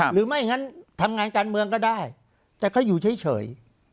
หรือไม่งั้นทำงานการเมืองก็ได้แต่เขาอยู่เฉย